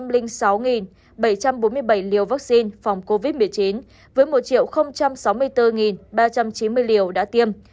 bảy trăm bốn mươi bảy liều vaccine phòng covid một mươi chín với một sáu mươi bốn ba trăm chín mươi liều đã tiêm